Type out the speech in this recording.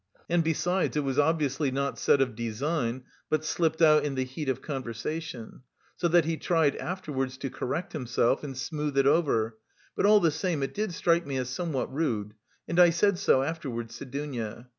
And, besides, it was obviously not said of design, but slipped out in the heat of conversation, so that he tried afterwards to correct himself and smooth it over, but all the same it did strike me as somewhat rude, and I said so afterwards to Dounia.